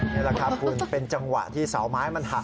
นี่แหละครับคุณเป็นจังหวะที่เสาไม้มันหัก